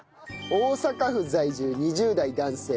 大阪府在住２０代男性